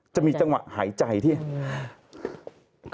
จะมีจังหวะหายใจที่